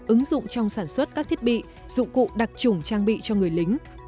ứng dụng trong sản xuất các thiết bị dụng cụ đặc trùng trang bị cho người lính